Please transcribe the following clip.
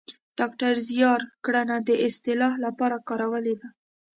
ډاکتر زیار ګړنه د اصطلاح لپاره کارولې ده